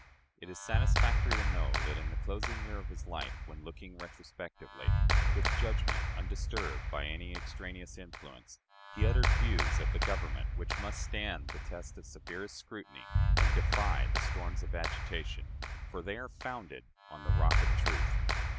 It is satisfactory to know that in the closing year of his life, when looking retrospectively, with judgment undisturbed by any extraneous influence, he uttered views of the Government which must stand the test of severest scrutiny and defy the storms of agitation, for they are founded on the rock of truth.